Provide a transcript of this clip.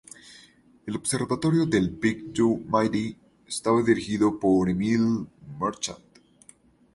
El Observatorio del Pic du Midi estaba dirigido por Emile Marchand.